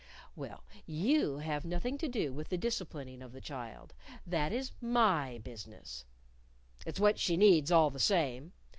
"Well, you have nothing to do with the disciplining of the child. That is my business." "It's what she needs, all the same.